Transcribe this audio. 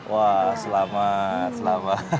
wah selamat selamat